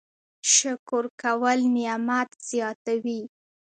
شکر کول نعمت زیاتوي